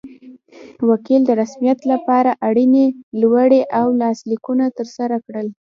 وکیل د رسمیت لپاره اړینې لوړې او لاسلیکونه ترسره کړل.